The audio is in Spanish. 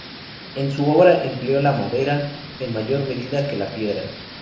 En su obra empleó la madera en mayor medida que la piedra.